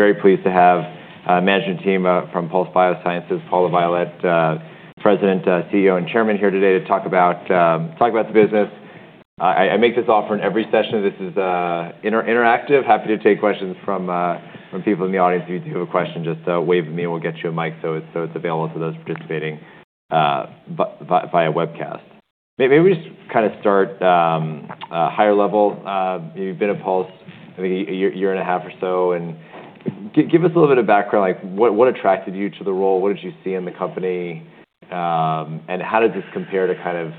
Very pleased to have management team from Pulse Biosciences, Paul LaViolette, President, CEO, and Chairman here today to talk about the business. I make this offer in every session. This is interactive. Happy to take questions from people in the audience. If you do have a question, just wave at me and we'll get you a mic so it's available to those participating via webcast. Maybe we just start higher level. You've been at Pulse a year and a half or so. Give us a little bit of background, like what attracted you to the role? What did you see in the company? How did this compare to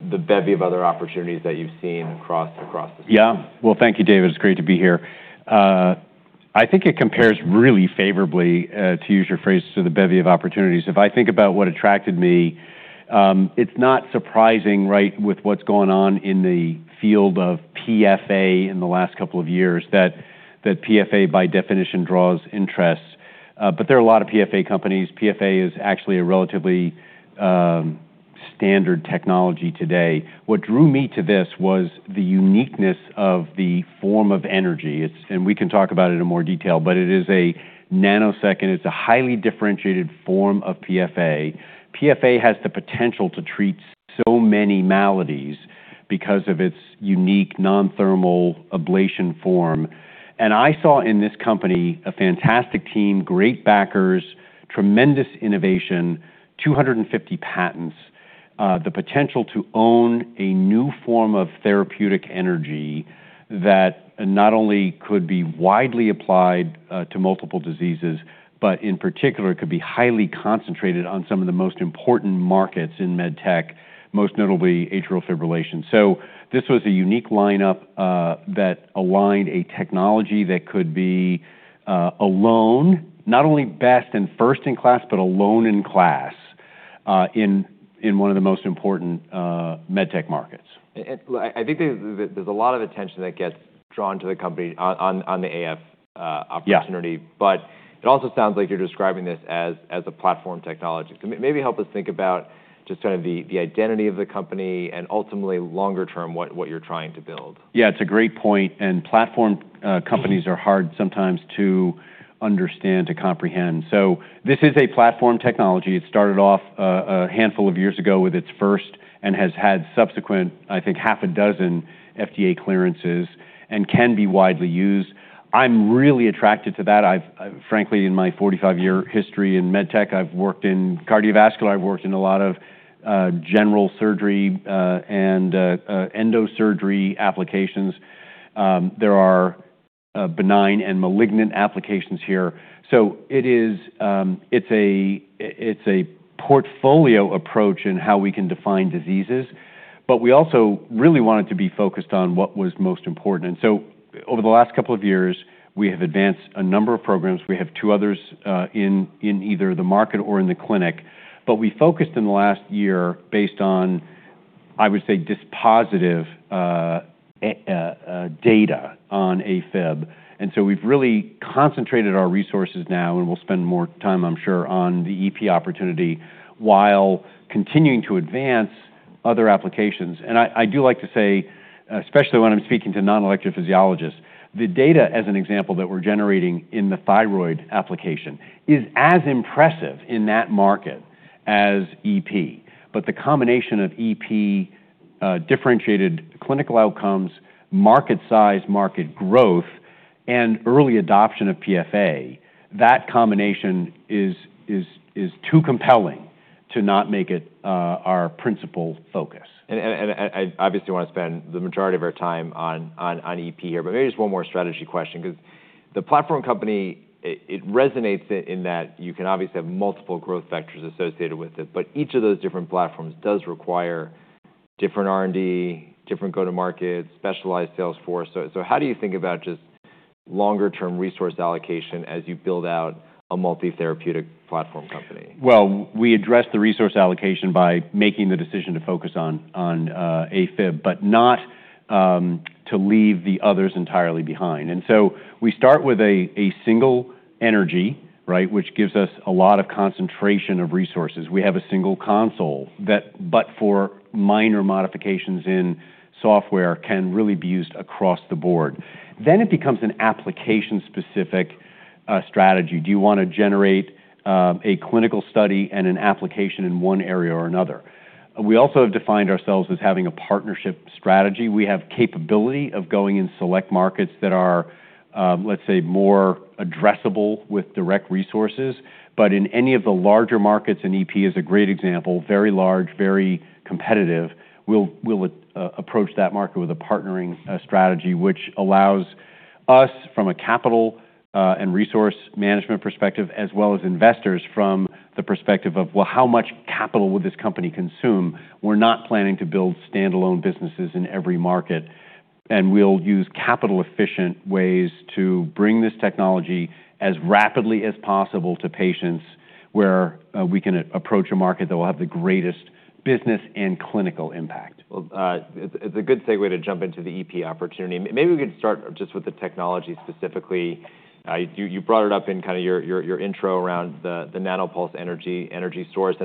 the bevy of other opportunities that you've seen across the space? Yeah. Well, thank you, David. It's great to be here. I think it compares really favorably, to use your phrase, to the bevy of opportunities. If I think about what attracted me, it's not surprising, right, with what's going on in the field of PFA in the last couple of years that PFA by definition draws interest. There are a lot of PFA companies. PFA is actually a relatively standard technology today. What drew me to this was the uniqueness of the form of energy. We can talk about it in more detail, but it is a nanosecond, it's a highly differentiated form of PFA. PFA has the potential to treat so many maladies because of its unique non-thermal ablation form. I saw in this company a fantastic team, great backers, tremendous innovation, 250 patents, the potential to own a new form of therapeutic energy that not only could be widely applied to multiple diseases, but in particular, could be highly concentrated on some of the most important markets in med tech, most notably atrial fibrillation. This was a unique lineup that aligned a technology that could be alone, not only best and first in class, but alone in class in one of the most important med tech markets. I think there's a lot of attention that gets drawn to the company on the AF opportunity. Yeah it also sounds like you're describing this as a platform technology. Maybe help us think about just the identity of the company and ultimately longer term, what you're trying to build. Yeah, it's a great point, platform companies are hard sometimes to understand, to comprehend. This is a platform technology. It started off a handful of years ago with its first and has had subsequent, I think, half a dozen FDA clearances and can be widely used. I'm really attracted to that. Frankly, in my 45-year history in med tech, I've worked in cardiovascular, I've worked in a lot of general surgery, and endosurgery applications. There are benign and malignant applications here. It's a portfolio approach in how we can define diseases, we also really wanted to be focused on what was most important. Over the last couple of years, we have advanced a number of programs. We have two others in either the market or in the clinic, we focused in the last year based on, I would say, dispositive data on AFib. And so we've really concentrated our resources now, and we'll spend more time, I'm sure, on the EP opportunity while continuing to advance other applications. I do like to say, especially when I'm speaking to non-electrophysiologists, the data, as an example, that we're generating in the thyroid application is as impressive in that market as EP. The combination of EP differentiated clinical outcomes, market size, market growth, and early adoption of PFA, that combination is too compelling to not make it our principal focus. I obviously want to spend the majority of our time on EP here, maybe just one more strategy question because the platform company, it resonates in that you can obviously have multiple growth vectors associated with it, each of those different platforms does require different R&D, different go-to-market, specialized sales force. How do you think about just longer-term resource allocation as you build out a multi-therapeutic platform company? We address the resource allocation by making the decision to focus on AFib, but not to leave the others entirely behind. We start with a single energy, right, which gives us a lot of concentration of resources. We have a single console that, but for minor modifications in software, can really be used across the board. It becomes an application-specific strategy. Do you want to generate a clinical study and an application in one area or another? We also have defined ourselves as having a partnership strategy. We have capability of going in select markets that are, let's say, more addressable with direct resources. In any of the larger markets, and EP is a great example, very large, very competitive, we'll approach that market with a partnering strategy, which allows us from a capital and resource management perspective, as well as investors from the perspective of, how much capital would this company consume? We're not planning to build standalone businesses in every market, we'll use capital-efficient ways to bring this technology as rapidly as possible to patients where we can approach a market that will have the greatest business and clinical impact. It's a good segue to jump into the EP opportunity. Maybe we could start just with the technology specifically. You brought it up in your intro around the Nano-Pulse energy source. We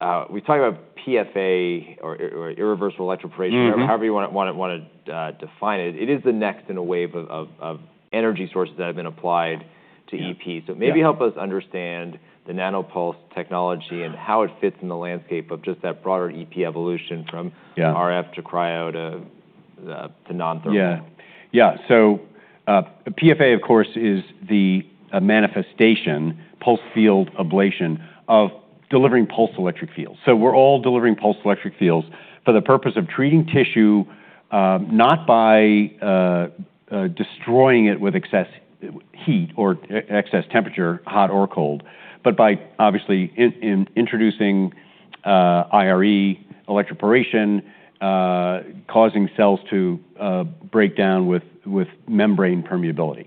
talk about PFA or irreversible electroporation. However you want to define it. It is the next in a wave of energy sources that have been applied to EP. Yeah. maybe help us understand the Nano-Pulse Technology and how it fits in the landscape of just that broader EP evolution. Yeah RF to cryo to non-thermal. PFA, of course, is the manifestation, pulsed field ablation, of delivering pulsed electric fields. We're all delivering pulsed electric fields for the purpose of treating tissue, not by destroying it with excess heat or excess temperature, hot or cold, but by obviously introducing IRE, electroporation, causing cells to break down with membrane permeability.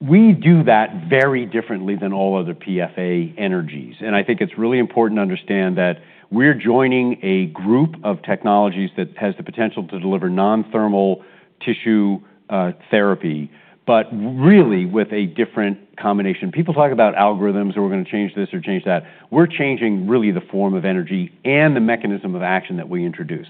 We do that very differently than all other PFA energies, and I think it's really important to understand that we're joining a group of technologies that has the potential to deliver non-thermal tissue therapy, but really with a different combination. People talk about algorithms or we're going to change this or change that. We're changing really the form of energy and the mechanism of action that we introduce.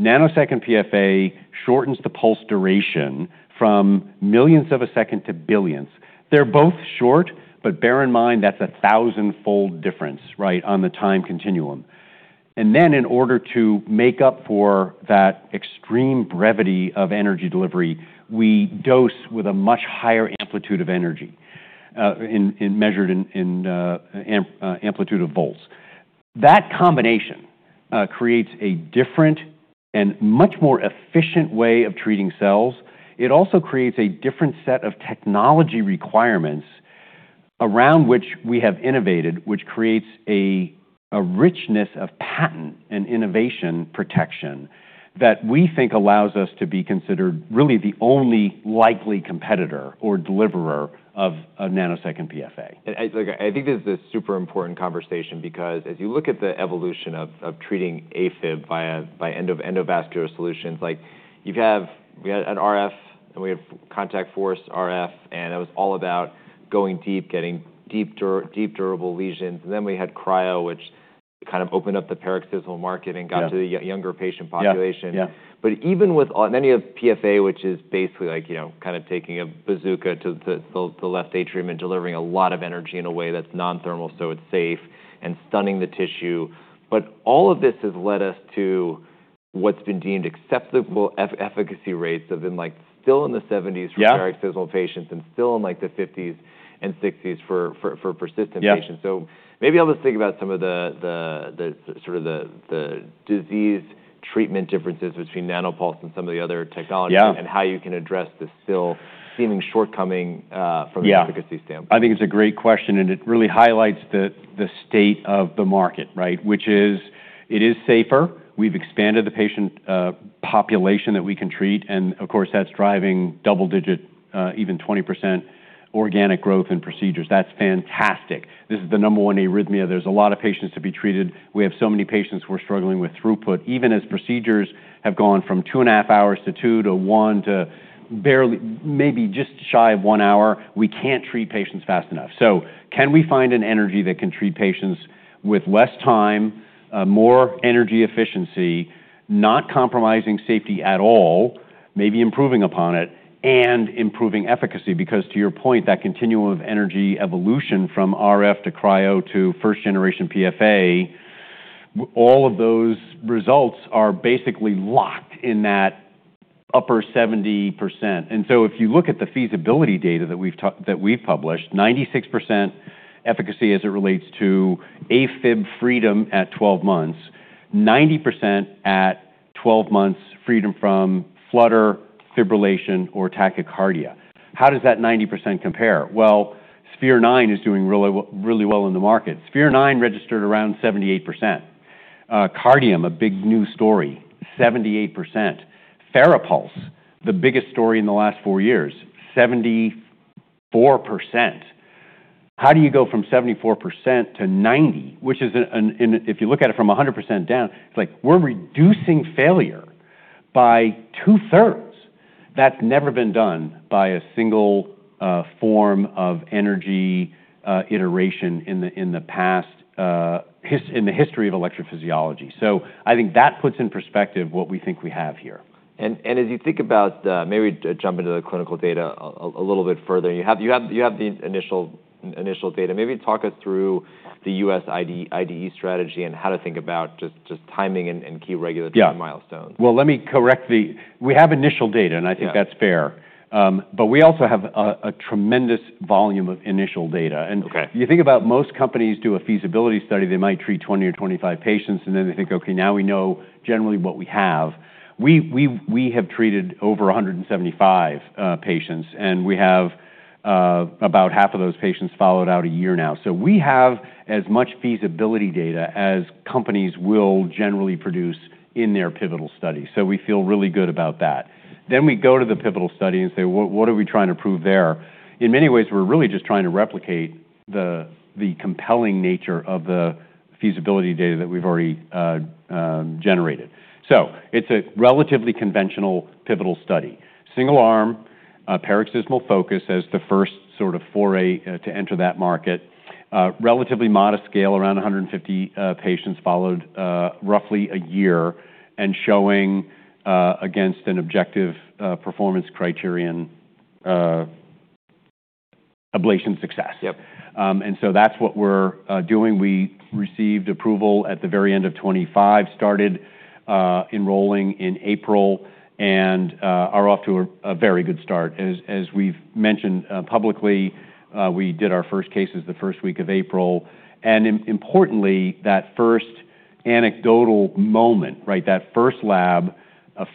Nanosecond PFA shortens the pulse duration from millionths of a second to billionths. They're both short, but bear in mind that's a thousandfold difference, right on the time continuum. Then in order to make up for that extreme brevity of energy delivery, we dose with a much higher amplitude of energy measured in amplitude of volts. That combination creates a different and much more efficient way of treating cells. It also creates a different set of technology requirements around which we have innovated, which creates a richness of patent and innovation protection that we think allows us to be considered really the only likely competitor or deliverer of a Nanosecond PFA. I think this is a super important conversation because as you look at the evolution of treating AFib by endovascular solutions, we had an RF and we had contact force RF, it was all about going deep, getting deep durable lesions. Then we had cryo, which kind of opened up the paroxysmal market and Yeah to the younger patient population. Yeah. Even with many of PFA, which is basically taking a bazooka to the left atrium and delivering a lot of energy in a way that's non-thermal, so it's safe and stunning the tissue. All of this has led us to what's been deemed acceptable efficacy rates have been still in the 70s Yeah for paroxysmal patients and still in the 50s and 60s for persistent patients. Yeah. Maybe help us think about some of the disease treatment differences between Nano-Pulse and some of the other technologies. Yeah How you can address this still seeming shortcoming. Yeah From an efficacy standpoint. I think it's a great question, and it really highlights the state of the market, right? Which is it is safer. We've expanded the patient population that we can treat, and of course, that's driving double-digit, even 20% organic growth in procedures. That's fantastic. This is the number one arrhythmia. There's a lot of patients to be treated. We have so many patients who are struggling with throughput. Even as procedures have gone from two and a half hours to two to one to barely maybe just shy of one hour, we can't treat patients fast enough. Can we find an energy that can treat patients with less time, more energy efficiency, not compromising safety at all, maybe improving upon it, and improving efficacy? Because to your point, that continuum of energy evolution from RF to cryo to first generation PFA, all of those results are basically locked in that upper 70%. If you look at the feasibility data that we've published, 96% efficacy as it relates to AFib freedom at 12 months, 90% at 12 months freedom from flutter, fibrillation, or tachycardia. How does that 90% compare? Sphere 9 is doing really well in the market. Sphere 9 registered around 78%. Kardium, a big new story, 78%. FARAPULSE, the biggest story in the last four years, 74%. How do you go from 74%-90%? Which if you look at it from 100% down, it's like we're reducing failure by two-thirds. That's never been done by a single form of energy iteration in the history of electrophysiology. I think that puts in perspective what we think we have here. As you think about-- Maybe jump into the clinical data a little bit further. You have the initial data. Maybe talk us through the U.S. IDE strategy and how to think about just timing and key regulatory- Yeah milestones. Let me correct the-- We have initial data, and I think that's fair. We also have a tremendous volume of initial data. Okay. If you think about most companies do a feasibility study, they might treat 20 or 25 patients, and then they think, "Okay, now we know generally what we have." We have treated over 175 patients, and we have about half of those patients followed out a year now. We have as much feasibility data as companies will generally produce in their pivotal study. We feel really good about that. We go to the pivotal study and say, "What are we trying to prove there?" In many ways, we're really just trying to replicate the compelling nature of the feasibility data that we've already generated. It's a relatively conventional pivotal study. Single-arm paroxysmal focus as the first sort of foray to enter that market. Relatively modest scale, around 150 patients followed roughly a year and showing against an objective performance criterion ablation success. Yep. That's what we're doing. We received approval at the very end of 2025, started enrolling in April, and are off to a very good start. As we've mentioned publicly, we did our first cases the first week of April, importantly, that first anecdotal moment, that first lab,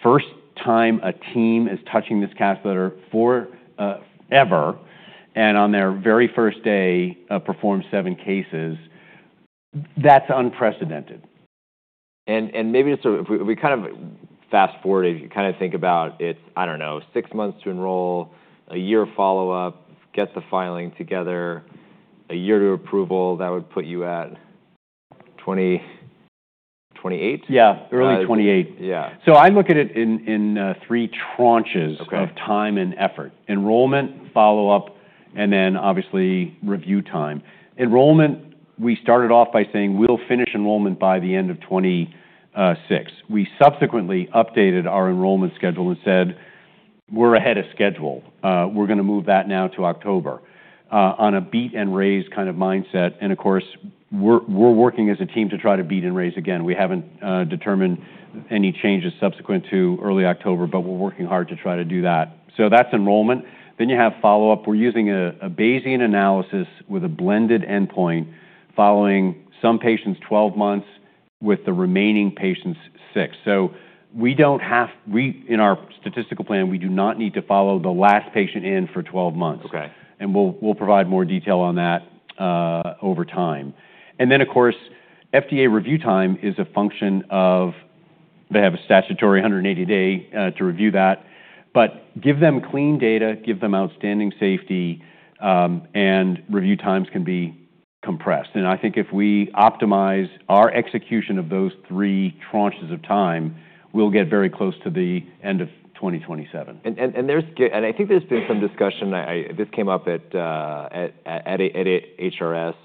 first time a team is touching this catheter forever, and on their very first day performed seven cases. That's unprecedented. Maybe if we fast-forward, if you think about it, I don't know, six months to enroll, a year of follow-up, get the filing together, a year to approval, that would put you at 2028. Yeah. Early 2028. Yeah. I look at it in three tranches. Okay of time and effort. Enrollment, follow-up, obviously review time. Enrollment, we started off by saying we'll finish enrollment by the end of 2026. We subsequently updated our enrollment schedule and said we're ahead of schedule. We're going to move that now to October on a beat and raise kind of mindset, of course, we're working as a team to try to beat and raise again. We haven't determined any changes subsequent to early October, but we're working hard to try to do that. That's enrollment. You have follow-up. We're using a Bayesian analysis with a blended endpoint following some patients 12 months, with the remaining patients six. In our statistical plan, we do not need to follow the last patient in for 12 months. Okay. We'll provide more detail on that over time. Of course, FDA review time is a function of, they have a statutory 180 days to review that. Give them clean data, give them outstanding safety, review times can be compressed. I think if we optimize our execution of those three tranches of time, we'll get very close to the end of 2027. I think there's been some discussion. This came up at HRS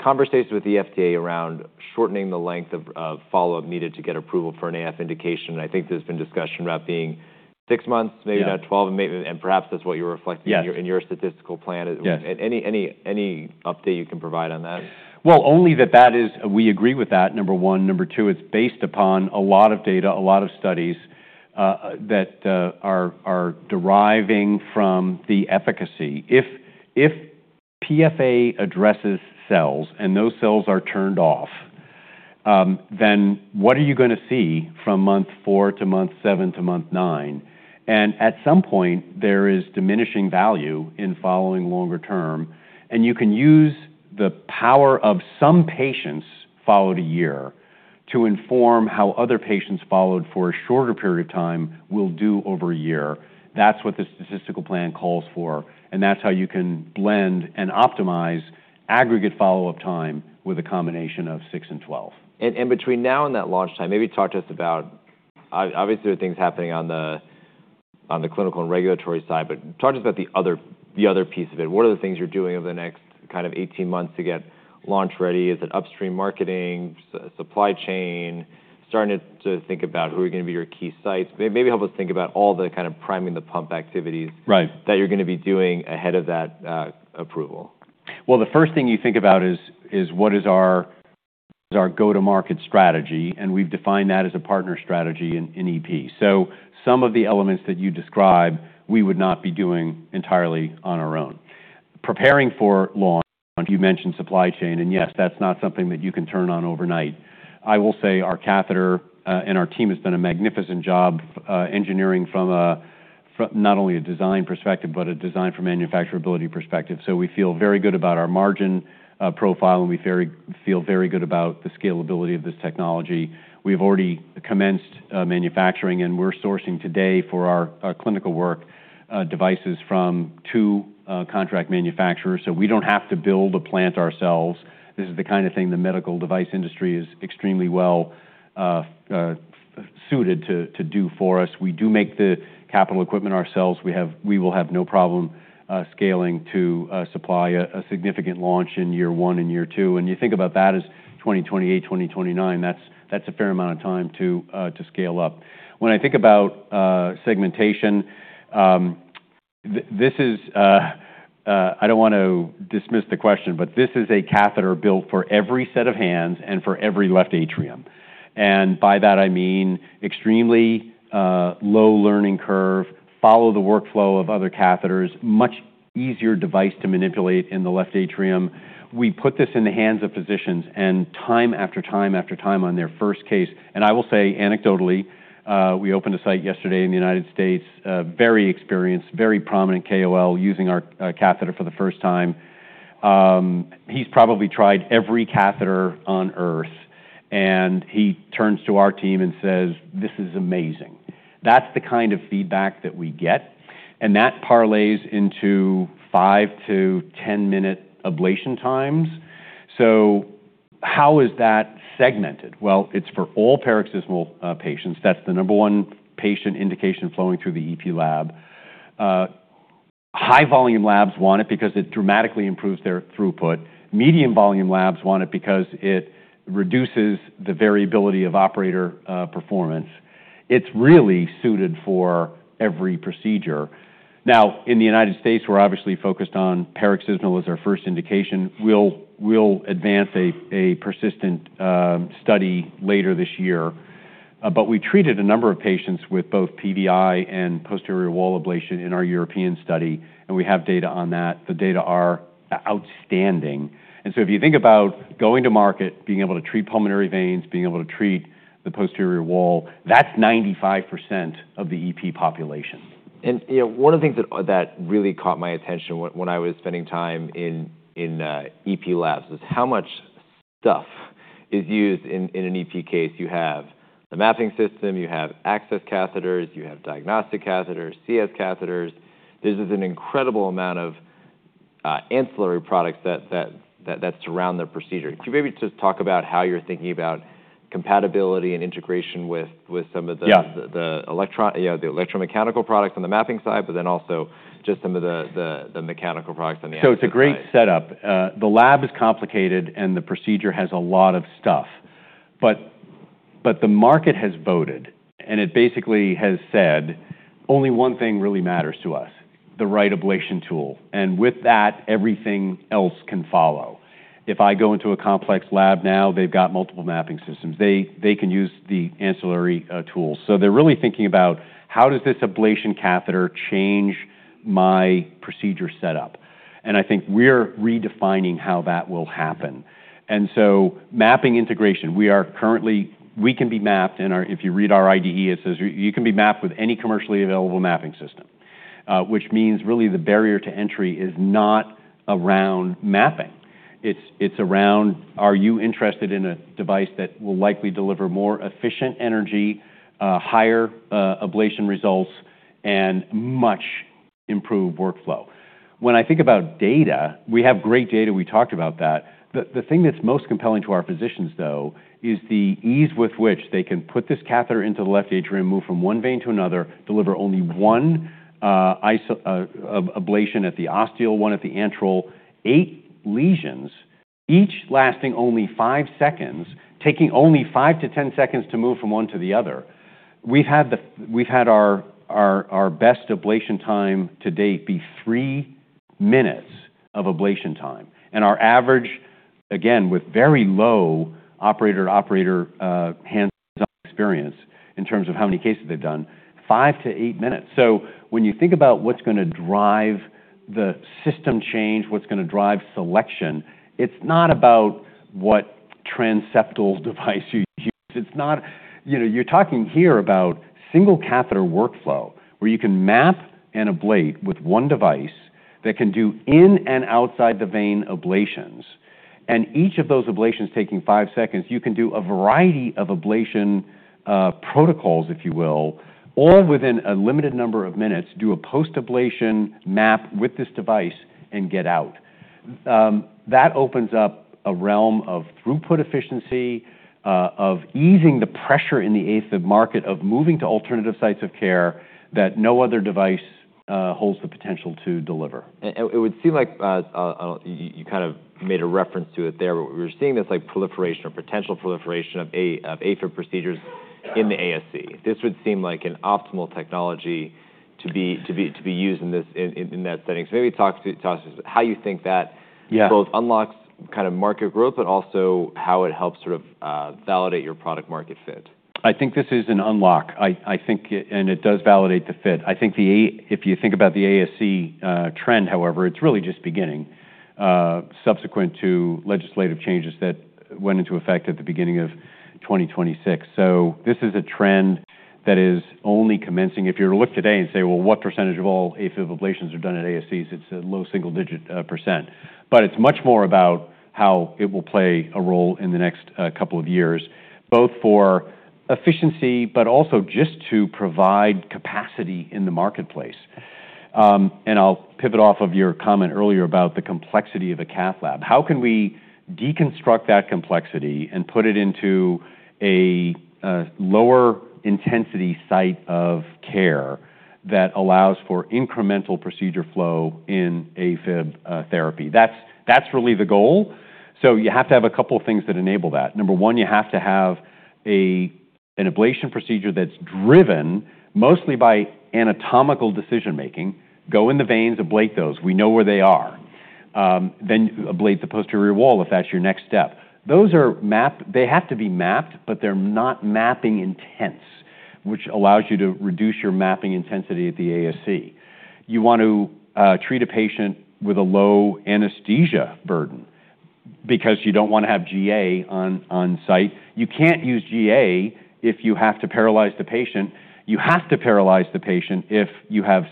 conversation with the FDA around shortening the length of follow-up needed to get approval for an AF indication. I think there's been discussion about being six months maybe- Yeah not 12, perhaps that's what you're reflecting- Yes in your statistical plan. Yes. Any update you can provide on that? Well, only that we agree with that, number one. Number two, it's based upon a lot of data, a lot of studies that are deriving from the efficacy. If PFA addresses cells and those cells are turned off, then what are you going to see from month four to month seven to month nine? At some point, there is diminishing value in following longer term, and you can use the power of some patients followed a year to inform how other patients followed for a shorter period of time will do over a year. That's what the statistical plan calls for, and that's how you can blend and optimize aggregate follow-up time with a combination of six and 12. Between now and that launch time, maybe talk to us about, obviously there are things happening on the clinical and regulatory side, but talk to us about the other piece of it. What are the things you're doing over the next kind of 18 months to get launch-ready? Is it upstream marketing, supply chain, starting to think about who are going to be your key sites? Maybe help us think about all the kind of priming the pump activities? Right that you're going to be doing ahead of that approval. Well, the first thing you think about is what is our go-to-market strategy, and we've defined that as a partner strategy in EP. Some of the elements that you describe, we would not be doing entirely on our own. Preparing for launch, you mentioned supply chain, and yes, that's not something that you can turn on overnight. I will say our catheter and our team has done a magnificent job engineering from not only a design perspective, but a design for manufacturability perspective. We feel very good about our margin profile, and we feel very good about the scalability of this technology. We've already commenced manufacturing, and we're sourcing today for our clinical work devices from two contract manufacturers, we don't have to build a plant ourselves. This is the kind of thing the medical device industry is extremely well-suited to do for us. We do make the capital equipment ourselves. We will have no problem scaling to supply a significant launch in year one and year two. When you think about that as 2028, 2029, that's a fair amount of time to scale up. When I think about segmentation, I don't want to dismiss the question, but this is a catheter built for every set of hands and for every left atrium. By that I mean extremely low learning curve, follow the workflow of other catheters, much easier device to manipulate in the left atrium. We put this in the hands of physicians and time after time after time on their first case. I will say anecdotally, we opened a site yesterday in the U.S., a very experienced, very prominent KOL using our catheter for the first time. He's probably tried every catheter on Earth, and he turns to our team and says, "This is amazing." That's the kind of feedback that we get, and that parlays into five to 10-minute ablation times. So how is that segmented? Well, it's for all paroxysmal patients. That's the number one patient indication flowing through the EP lab. High-volume labs want it because it dramatically improves their throughput. Medium-volume labs want it because it reduces the variability of operator performance. It's really suited for every procedure. Now, in the U.S., we're obviously focused on paroxysmal as our first indication. We'll advance a persistent study later this year. We treated a number of patients with both PVI and posterior wall ablation in our European study, and we have data on that. The data are outstanding. If you think about going to market, being able to treat pulmonary veins, being able to treat the posterior wall, that's 95% of the EP population. One of the things that really caught my attention when I was spending time in EP labs is how much stuff is used in an EP case. You have the mapping system, you have access catheters, you have diagnostic catheters, CS catheters. This is an incredible amount of ancillary products that surround the procedure. Could you maybe just talk about how you're thinking about compatibility and integration with some of the- Yeah The electromechanical products on the mapping side, also just some of the mechanical products on the ancillary side? It's a great setup. The lab is complicated, and the procedure has a lot of stuff. The market has voted, and it basically has said, "Only one thing really matters to us, the right ablation tool." With that, everything else can follow. If I go into a complex lab now, they've got multiple mapping systems. They can use the ancillary tools. They're really thinking about how does this ablation catheter change my procedure setup? I think we're redefining how that will happen. Mapping integration, we can be mapped. If you read our IDE, it says you can be mapped with any commercially available mapping system. Which means, really, the barrier to entry is not around mapping. It's around are you interested in a device that will likely deliver more efficient energy, higher ablation results, and much improved workflow? When I think about data, we have great data, we talked about that. The thing that's most compelling to our physicians, though, is the ease with which they can put this catheter nto the left atrium, move from one vein to another, deliver only one ablation at the ostial, one at the antral, eight lesions, each lasting only five seconds, taking only 5-10 seconds to move from one to the other. We've had our best ablation time to date be three minutes of ablation time. Our average, again, with very low operator to operator hands-on experience in terms of how many cases they've done, 5-8 minutes. When you think about what's going to drive the system change, what's going to drive selection, it's not about what transseptal device you use. You're talking here about single catheter workflow, where you can map and ablate with one device that can do in and outside the vein ablations. Each of those ablations taking five seconds, you can do a variety of ablation protocols, if you will, all within a limited number of minutes, do a post-ablation map with this device, and get out. That opens up a realm of throughput efficiency, of easing the pressure in the AFib market, of moving to alternative sites of care that no other device holds the potential to deliver. It would seem like you kind of made a reference to it there, but we're seeing this proliferation or potential proliferation of AFib procedures in the ASC. This would seem like an optimal technology to be used in that setting. Maybe talk to us how you think that- Yeah both unlocks kind of market growth, but also how it helps sort of validate your product market fit. I think this is an unlock. I think it does validate the fit. I think if you think about the ASC trend, however, it's really just beginning subsequent to legislative changes that went into effect at the beginning of 2026. This is a trend that is only commencing. If you were to look today and say, "Well, what percentage of all AFib ablations are done at ASCs?" It's a low single-digit percent. It's much more about how it will play a role in the next couple of years, both for efficiency but also just to provide capacity in the marketplace. I'll pivot off of your comment earlier about the complexity of a cath lab. How can we deconstruct that complexity and put it into a lower intensity site of care that allows for incremental procedure flow in AFib therapy? That's really the goal. You have to have a couple of things that enable that. Number one, you have to have an ablation procedure that's driven mostly by anatomical decision-making. Go in the veins, ablate those. We know where they are. Ablate the posterior wall if that's your next step. They have to be mapped, they're not mapping-intense, which allows you to reduce your mapping intensity at the ASC. You want to treat a patient with a low anesthesia burden because you don't want to have GA on site. You can't use GA if you have to paralyze the patient. You have to paralyze the patient if you have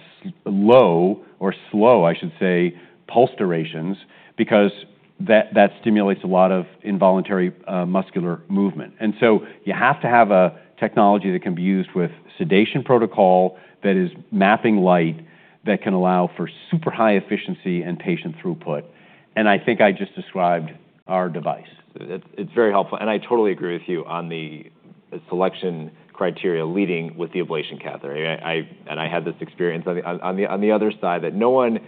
low or slow, I should say, pulse durations because that stimulates a lot of involuntary muscular movement. You have to have a technology that can be used with sedation protocol that is mapping light. That can allow for super high efficiency and patient throughput. I think I just described our device. It's very helpful, I totally agree with you on the selection criteria leading with the ablation catheter. I had this experience on the other side that no one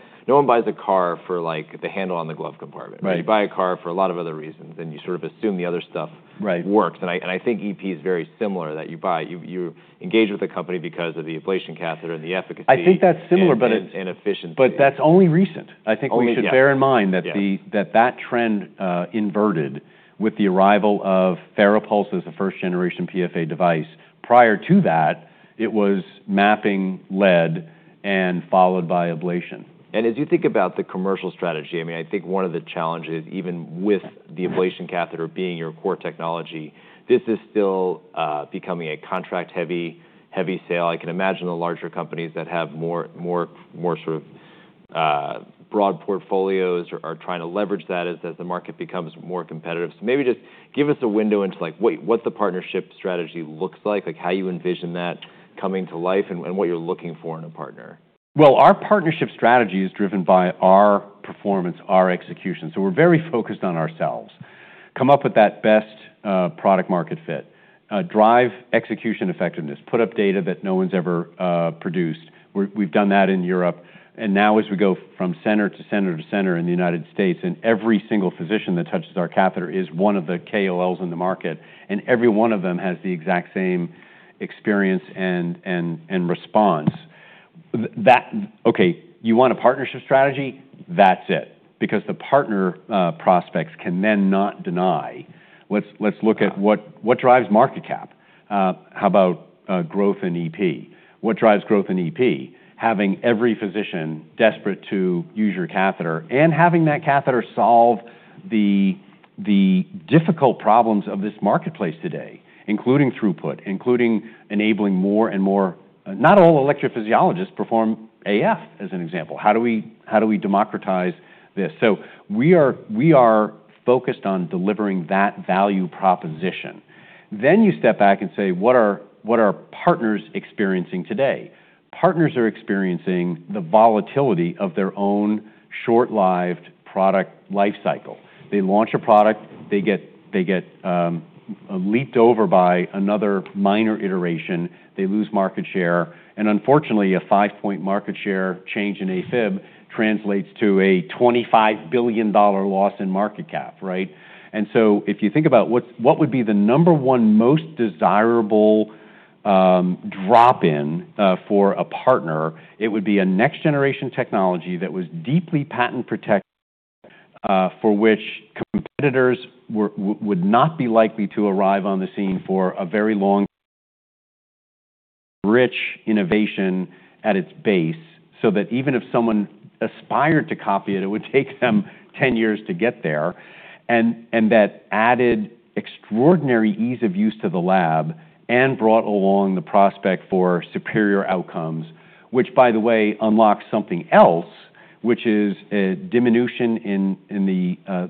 buys a car for the handle on the glove compartment. Right. You buy a car for a lot of other reasons, and you sort of assume the other stuff. Right works. I think EP is very similar, that you engage with a company because of the ablation catheter and the efficacy. I think that's similar, but. efficiency. That's only recent. Only, yeah. I think we should bear in mind that that trend inverted with the arrival of FARAPULSE as the first-generation PFA device. Prior to that, it was mapping lead and followed by ablation. As you think about the commercial strategy, I think one of the challenges, even with the ablation catheter being your core technology, this is still becoming a contract-heavy sale. I can imagine the larger companies that have more sort of broad portfolios are trying to leverage that as the market becomes more competitive. Maybe just give us a window into what the partnership strategy looks like, how you envision that coming to life, and what you're looking for in a partner. Well, our partnership strategy is driven by our performance, our execution. We're very focused on ourselves. Come up with that best product market fit, drive execution effectiveness, put up data that no one's ever produced. We've done that in Europe, and now as we go from center to center to center in the U.S., and every single physician that touches our catheter is one of the KOLs in the market, and every one of them has the exact same experience and response. Okay, you want a partnership strategy? That's it. The partner prospects can then not deny. Let's look at what drives market cap. How about growth in EP? What drives growth in EP? Having every physician desperate to use your catheter and having that catheter solve the difficult problems of this marketplace today, including throughput, including enabling more and more. Not all electrophysiologists perform AF, as an example. How do we democratize this? We are focused on delivering that value proposition. You step back and say, what are partners experiencing today? Partners are experiencing the volatility of their own short-lived product life cycle. They launch a product, they get leaped over by another minor iteration, they lose market share, and unfortunately, a five-point market share change in AFib translates to a $25 billion loss in market cap, right? If you think about what would be the number one most desirable drop-in for a partner, it would be a next-generation technology that was deeply patent-protected, for which competitors would not be likely to arrive on the scene for a very long time. Rich innovation at its base, so that even if someone aspired to copy it would take them 10 years to get there, and that added extraordinary ease of use to the lab and brought along the prospect for superior outcomes. Which, by the way, unlocks something else, which is a diminution in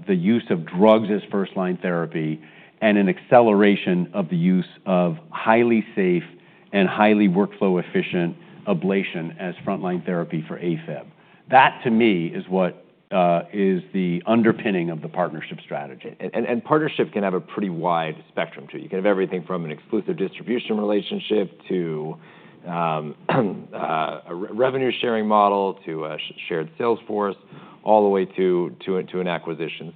the use of drugs as first-line therapy and an acceleration of the use of highly safe and highly workflow-efficient ablation as frontline therapy for AFib. That to me is what is the underpinning of the partnership strategy. Partnership can have a pretty wide spectrum, too. You can have everything from an exclusive distribution relationship to a revenue-sharing model to a shared sales force, all the way to an acquisition.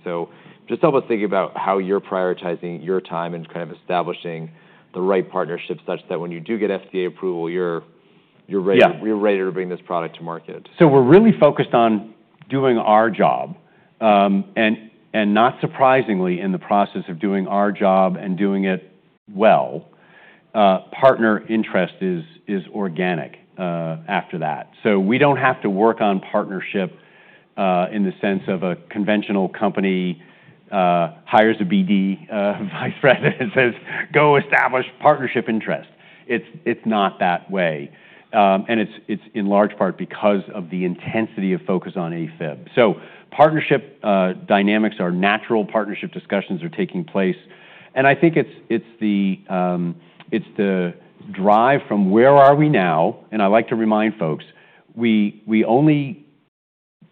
Just help us think about how you're prioritizing your time and kind of establishing the right partnership such that when you do get FDA approval, you're Yeah ready to bring this product to market. We're really focused on doing our job. Not surprisingly, in the process of doing our job and doing it well, partner interest is organic after that. We don't have to work on partnership in the sense of a conventional company hires a BD vice president and says, "Go establish partnership interest." It's not that way. It's in large part because of the intensity of focus on AFib. Partnership dynamics are natural. Partnership discussions are taking place. I think it's the drive from where are we now. I like to remind folks, we only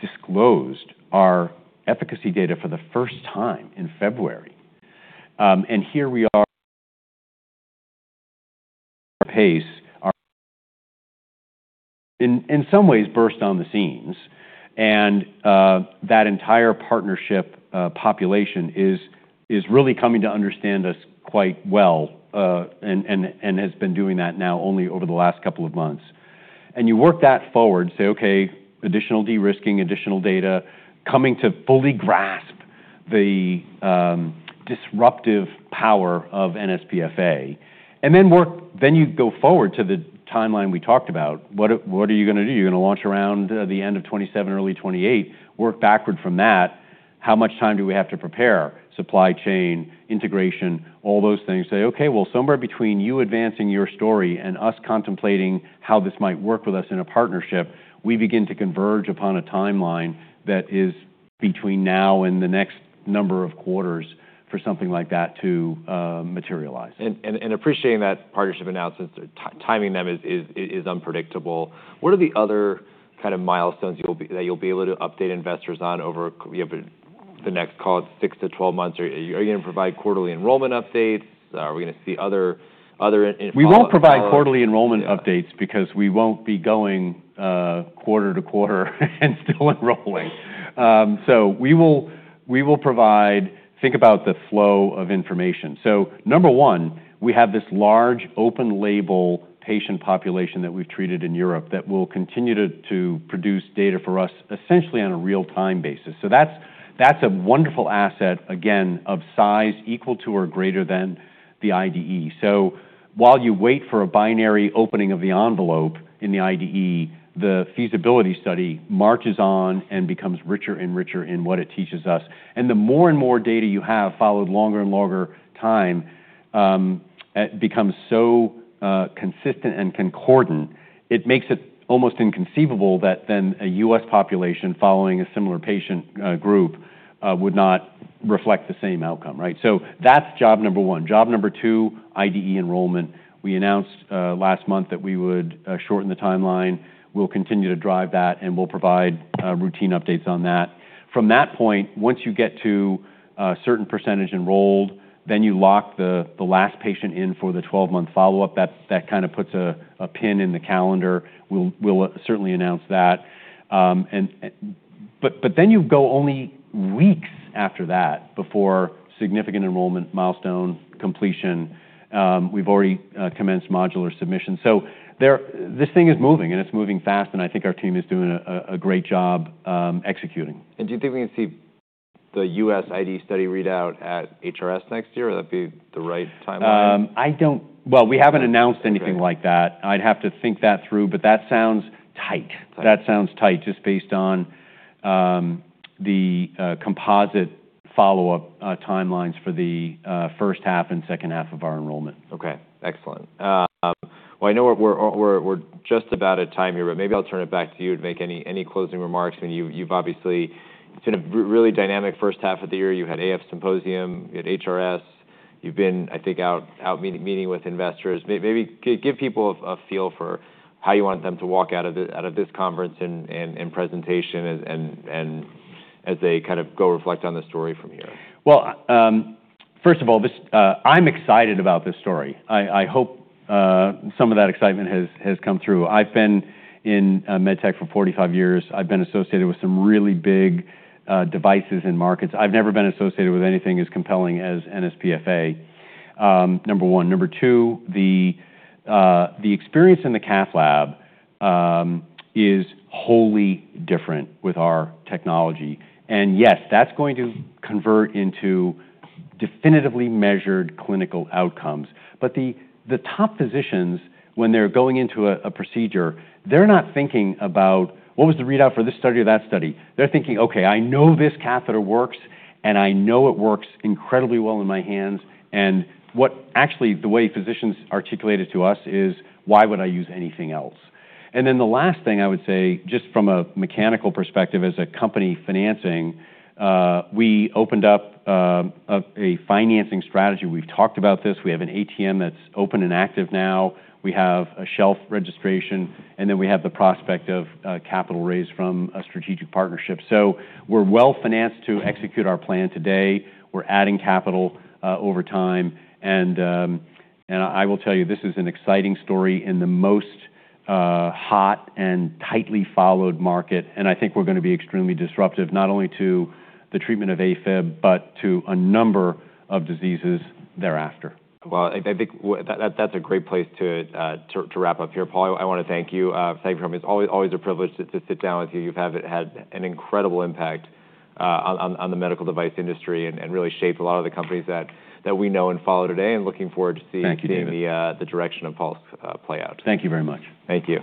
disclosed our efficacy data for the first time in February. Here we are, pace our. In some ways burst on the scenes. That entire partnership population is really coming to understand us quite well and has been doing that now only over the last couple of months. You work that forward and say, okay, additional de-risking, additional data, coming to fully grasp the disruptive power of NSPFA. You go forward to the timeline we talked about. What are you going to do? You're going to launch around the end of 2027, early 2028. Work backward from that. How much time do we have to prepare? Supply chain, integration, all those things. Say, okay, well, somewhere between you advancing your story and us contemplating how this might work with us in a partnership, we begin to converge upon a timeline that is between now and the next number of quarters for something like that to materialize. Appreciating that partnership announcements, timing them is unpredictable. What are the other kind of milestones that you'll be able to update investors on over the next, call it 6-12 months, are you going to provide quarterly enrollment updates? Are we going to see other? We won't provide quarterly enrollment updates because we won't be going quarter to quarter and still enrolling. Think about the flow of information. Number one, we have this large open label patient population that we've treated in Europe that will continue to produce data for us essentially on a real time basis. That's a wonderful asset, again, of size equal to or greater than the IDE. While you wait for a binary opening of the envelope in the IDE, the feasibility study marches on and becomes richer and richer in what it teaches us. The more and more data you have followed longer and longer time, it becomes so consistent and concordant, it makes it almost inconceivable that then a U.S. population following a similar patient group would not reflect the same outcome, right? That's job number one. Job number two, IDE enrollment. We announced last month that we would shorten the timeline. We'll continue to drive that and we'll provide routine updates on that. From that point, once you get to a certain percentage enrolled, then you lock the last patient in for the 12-month follow-up. That kind of puts a pin in the calendar. We'll certainly announce that. You go only weeks after that before significant enrollment milestone completion. We've already commenced modular submission. This thing is moving and it's moving fast, and I think our team is doing a great job executing. Do you think we can see the U.S. IDE study readout at HRS next year? Would that be the right timeline? We haven't announced anything like that. I'd have to think that through, but that sounds tight. Tight. That sounds tight just based on the composite follow-up timelines for the first half and second half of our enrollment. Excellent. I know we're just about at time here, but maybe I'll turn it back to you to make any closing remarks. You've obviously it's been a really dynamic first half of the year. You had AF Symposium, you had HRS. You've been, I think, out meeting with investors. Give people a feel for how you want them to walk out of this conference and presentation and as they go reflect on the story from here. First of all, I'm excited about this story. I hope some of that excitement has come through. I've been in med tech for 45 years. I've been associated with some really big devices and markets. I've never been associated with anything as compelling as NSPFA. Number one. Number two, the experience in the cath lab is wholly different with our technology. Yes, that's going to convert into definitively measured clinical outcomes. The top physicians, when they're going into a procedure, they're not thinking about what was the readout for this study or that study. They're thinking, "Okay, I know this catheter works, and I know it works incredibly well in my hands." What actually the way physicians articulate it to us is, "Why would I use anything else?" Then the last thing I would say, just from a mechanical perspective as a company financing, we opened up a financing strategy. We've talked about this. We have an ATM that's open and active now. We have a shelf registration, and then we have the prospect of capital raise from a strategic partnership. We're well-financed to execute our plan today. We're adding capital over time, I will tell you, this is an exciting story in the most hot and tightly followed market, I think we're going to be extremely disruptive, not only to the treatment of AFib, but to a number of diseases thereafter. Well, I think that's a great place to wrap up here. Paul, I want to thank you. It's always a privilege to sit down with you. You've had an incredible impact on the medical device industry and really shaped a lot of the companies that we know and follow today, and looking forward to seeing. Thank you, David. The direction of Pulse play out. Thank you very much. Thank you.